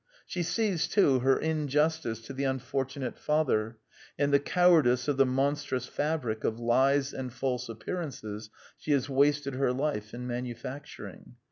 She sees, too, her injustice to the unfortunate father, and the cowardice of the monstrous fabric of lies and false appearances she has wasted her life in manufacturing.